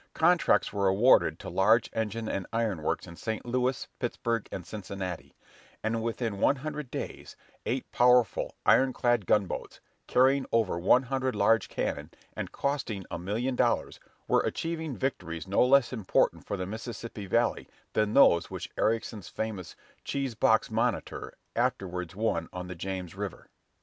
Contracts were awarded to large engine and iron works in St. Louis, Pittsburgh, and Cincinnati; and within one hundred days, eight powerful ironclad gunboats, carrying over one hundred large cannon, and costing a million dollars, were achieving victories no less important for the Mississippi valley than those which Ericsson's famous "Cheese box Monitor" afterwards won on the James River.